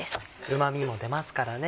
うま味も出ますからね。